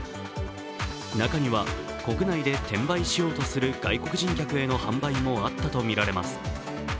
中には国内で転売しようとする外国人客への販売もあったとみられます。